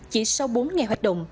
chỉ sau bốn ngày hoạt động